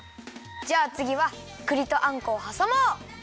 じゃあつぎはくりとあんこをはさもう！